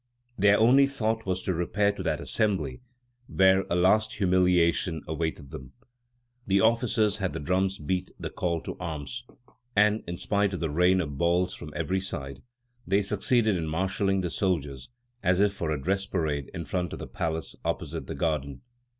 Their only thought was to repair to that Assembly where a last humiliation awaited them. The officers had the drums beat the call to arms, and, in spite of the rain of balls from every side, they succeeded in marshalling the soldiers as if for a dress parade in front of the palace, opposite the garden.